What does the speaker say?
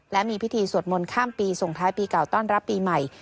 และมีพิธีสวดมนต์ข้ามปีส่งท้ายปีเก่าต้อนรับปีใหม่